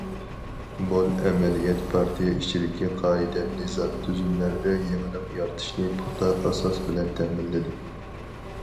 مول ئەمەلىيەت پارتىيە ئىچىدىكى قائىدە- نىزام، تۈزۈملەردە يېڭىلىق يارىتىشنى پۇختا ئاساس بىلەن تەمىنلىدى.